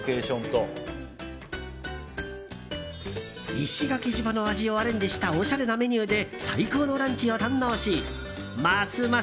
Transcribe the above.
石垣島の味をアレンジしたおしゃれなメニューで最高のランチを堪能しますます